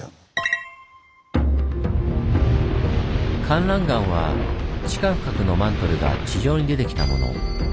かんらん岩は地下深くのマントルが地上に出てきたもの。